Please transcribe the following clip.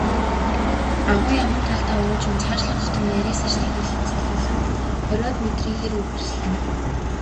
Агуй аман талдаа уужим, цаашлах тутам нарийсаж тахирлан салаалан, хориод метрийн хэр үргэлжилнэ.